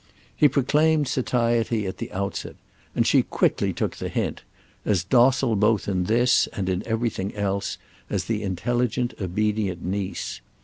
He proclaimed satiety at the outset, and she quickly took the hint; as docile both in this and in everything else as the intelligent obedient niece.